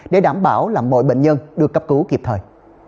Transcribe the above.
để đảm bảo là mọi bệnh nhân được cấp cứu kịp thời